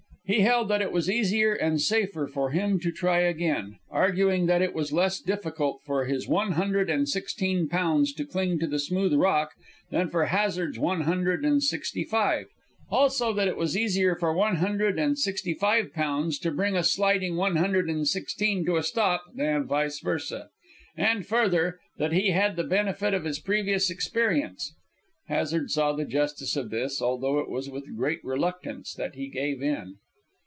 He held that it was easier and safer for him to try again, arguing that it was less difficult for his one hundred and sixteen pounds to cling to the smooth rock than for Hazard's one hundred and sixty five; also that it was easier for one hundred and sixty five pounds to bring a sliding one hundred and sixteen to a stop than vice versa. And further, that he had the benefit of his previous experience. Hazard saw the justice of this, although it was with great reluctance that he gave in.